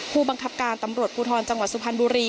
ผู้บังคับการตำรวจภูทรจังหวัดสุพรรณบุรี